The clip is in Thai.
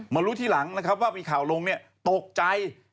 มารู้ที่หลังว่ามีข่าวลงตกใจ